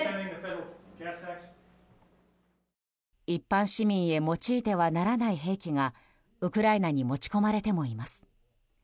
一般市民へ用いてはならない兵器がウクライナに持ち込まれてもいます。